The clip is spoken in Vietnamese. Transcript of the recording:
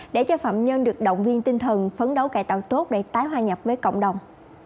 để cho phạm nhân được động viên tinh thần phấn đấu cải tạo tốt để tái hoa nhập với cộng đồng